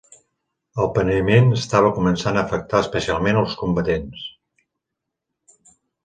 El penediment estava començant a afectar especialment els combatents.